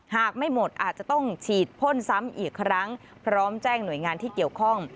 หากไม่หมดอาจจะต้องฉีดพ่นซ้ำอีกครั้งพร้อมแจ้งหน่วยงานที่เกี่ยวข้อง